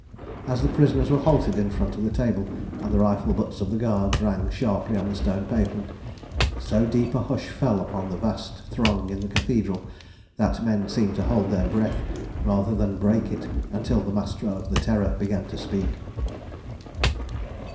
As the prisoners were halted in front of the table, and the rifle butts of the guards rang sharply on the stone pavement, so deep a hush fell upon the vast throng in the Cathedral, that men seemed to hold their breath rather than break it until the Master of the Terror began to speak.